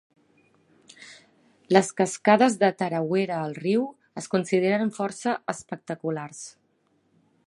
Les cascades de Tarawera al riu es consideren força espectaculars.